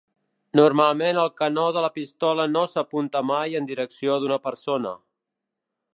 Normalment el canó de la pistola no s'apunta mai en direcció d'una persona.